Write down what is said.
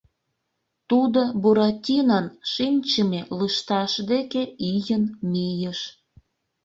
Тудо Буратинон шинчыме лышташ деке ийын мийыш.